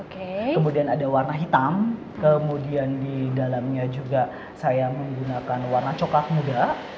kemudian ada warna hitam kemudian di dalamnya juga saya menggunakan warna coklat muda